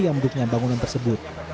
yang menutupnya bangunan tersebut